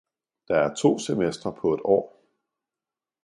Der er to semestre på et år.